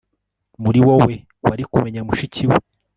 muri wowe wari kumenya mushiki we